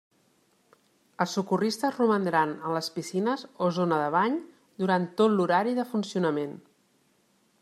Els socorristes romandran en les piscines o zona de bany durant tot l'horari de funcionament.